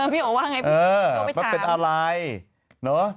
พี่โอบว่ายังไงโอบไปถาม